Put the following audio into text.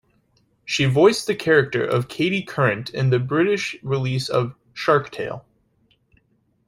She voiced the character of Katie Current in the British release of "Shark Tale".